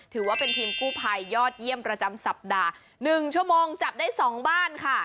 ถือว่าเป็นทีมกู้ภัยยอดเยี่ยมประจำสัปดาห์๑ชั่วโมงจับได้๒บ้านค่ะ